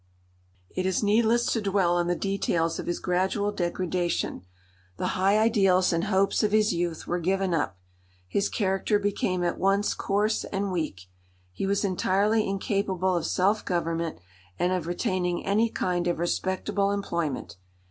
It is needless to dwell on the details of his gradual degradation; the high ideals and hopes of his youth were given up; his character became at once coarse and weak. He was entirely incapable of self government and of retaining any kind of respectable employment.